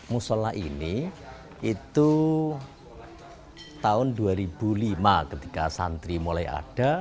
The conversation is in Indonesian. musola ini itu tahun dua ribu lima ketika santri mulai ada